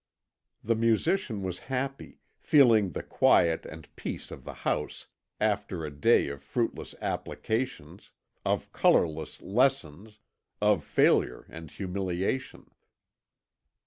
The musician was happy, feeling the quiet and peace of the house after a day of fruitless applications, of colourless lessons, of failure and humiliation.